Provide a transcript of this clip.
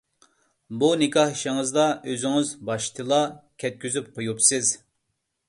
بۇ نىكاھ ئىشىڭىزدا ئۆزىڭىز باشتىلا كەتكۈزۈپ قويۇپسىز.